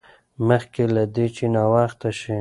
مخکې له دې چې ناوخته شي.